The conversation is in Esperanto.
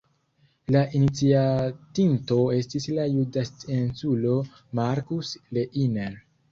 La iniciatinto estis la juda scienculo Markus Reiner.